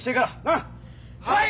はい！